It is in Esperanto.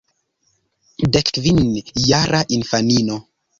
Dek kvin jara infanino!